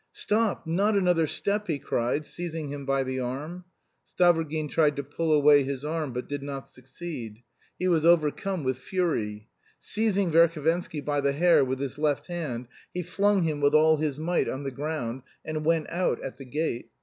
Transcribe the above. "Stop! Not another step!" he cried, seizing him by the arm. Stavrogin tried to pull away his arm, but did not succeed. He was overcome with fury. Seizing Verhovensky by the hair with his left hand he flung him with all his might on the ground and went out at the gate.